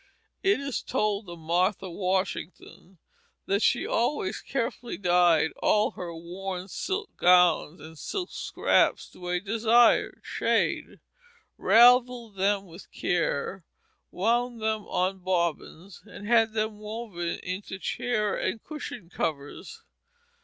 It is told of Martha Washington that she always carefully dyed all her worn silk gowns and silk scraps to a desired shade, ravelled them with care, wound them on bobbins, and had them woven into chair and cushion covers.